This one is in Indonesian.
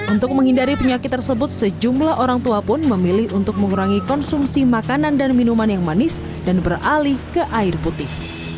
untuk menghindari penyakit tersebut sejumlah orang tua pun memilih untuk mengurangi konsumsi makanan dan minuman yang manis dan beralih ke air putih